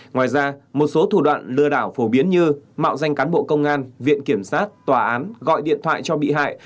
ngoài ra một số thủ đoạn lừa đảo phổ biến như mạo danh cán bộ công an viện kiểm sát tòa án gọi điện thoại cho bị hại